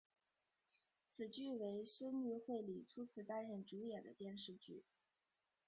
此剧为深津绘里初次担任主演的电视剧。